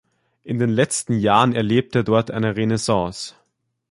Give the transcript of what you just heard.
In den letzten Jahren erlebt er dort eine Renaissance.